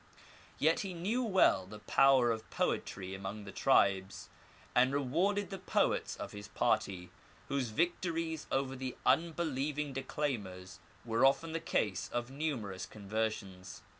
Yet he knew well the power of poetry among the tribes, and rewarded the poets of his party, whose victories over the unbelieving declaimers were often the cause of numerous conversions.